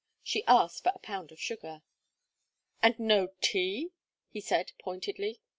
She asked for a pound of sugar. "And no tea?" he said, pointedly.